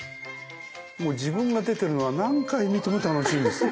もう自分が出てるのは何回見ても楽しいです。